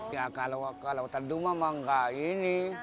ya kalau tandu memang nggak ini